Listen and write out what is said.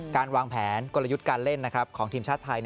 การวางแผนกลยุทธ์การเล่นของทีมชาติไทย